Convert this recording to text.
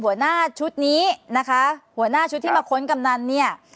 หัวหน้าชุดนี้นะคะหัวหน้าชุดที่มาค้นกำนันเนี่ย